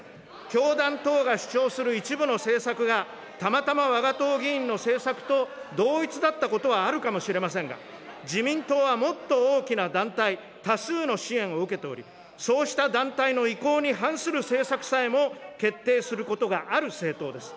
教団等が主張する一部の政策が、たまたまわが党議員の政策と同一だったことはあるかもしれませんが、自民党はもっと大きな団体、多数の支援を受けており、そうした団体の意向に反する政策さえも決定することがある政党です。